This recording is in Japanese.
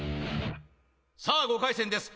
さあ５回戦です